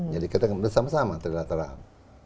jadi kita sama sama trilateral